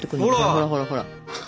ほらほらほら。